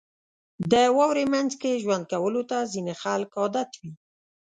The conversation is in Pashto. • د واورې مینځ کې ژوند کولو ته ځینې خلک عادت وي.